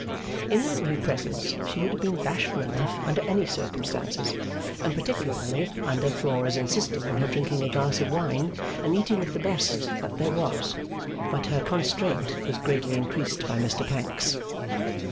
In that new presence she would have been bashful enough under any circumstances, and particularly under Flora's insisting on her drinking a glass of wine and eating of the best that was there; but her constraint was greatly increased by Mr Pancks.